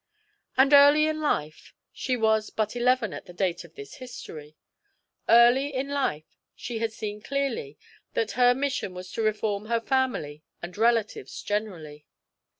And early in life she was but eleven at the date of this history early in life she had seen clearly that her mission was to reform her family and relatives generally.